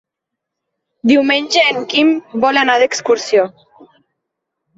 Diumenge en Quim vol anar d'excursió.